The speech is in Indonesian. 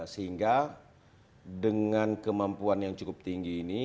sehingga dengan kemampuan yang cukup tinggi ini